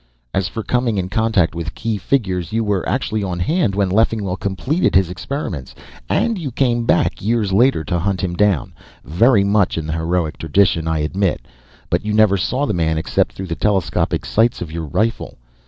As for coming in contact with key figures, you were actually on hand when Leffingwell completed his experiments. And you came back, years later, to hunt him down. Very much in the heroic tradition, I admit. But you never saw the man except through the telescopic sights of your rifle.